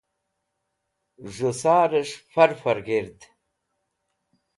z̃hu sar'esh fur fur g̃hird